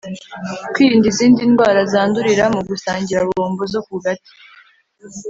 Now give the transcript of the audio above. kwirinda izindi ndwara zandurira mu gusangira bombo zo ku gati